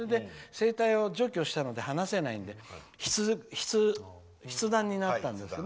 声帯を除去したので話せないので筆談になったんですけどね。